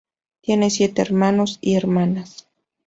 Tiene siete hermanos y hermanas.